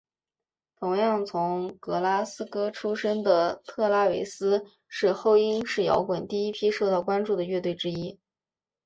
同样从格拉斯哥出身的特拉维斯是后英式摇滚第一批受到关注的乐团之一。